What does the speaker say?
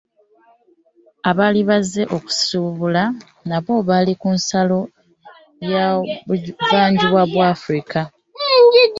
Abaali bazze okusuubula n'abo abaalI ku nsalo y'obuvanjuba bwa Afrika.